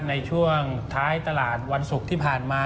ในช่วงท้ายตลาดวันศุกร์ที่ผ่านมา